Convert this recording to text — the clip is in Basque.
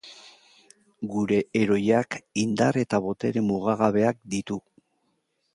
Gure heroiak indar eta botere mugagabeak ditu.